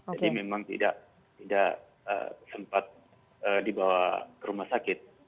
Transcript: jadi memang tidak sempat dibawa ke rumah sakit